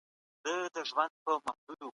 ځيني خلک پدغو اړيکو کي افراطي چلند کوي.